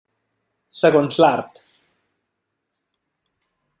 Segons l'art.